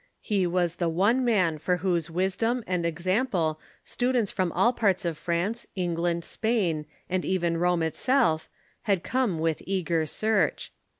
He was the one man for whose wisdom and example students from all parts of France, England, Spain, and even Rome itself, had come with eager search.